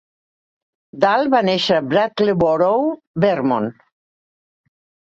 Dahl va néixer a Brattleboro, Vermont.